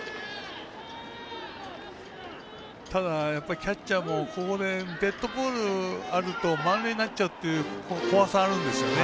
ただ、キャッチャーもここでデッドボールあると満塁になっちゃうっていう怖さあるんですよね。